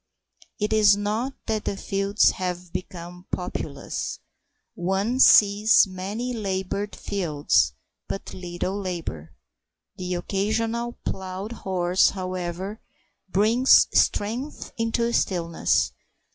It is not that the fields have become populous. One sees many laboured fields, but little labour. The occasional plough horse, however, brings strength into the stillness.